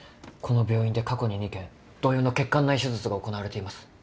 この病院で過去に２件同様の血管内手術が行なわれています。